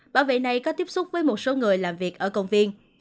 bảo vệ này có tiếp xúc với một số người làm việc ở công viên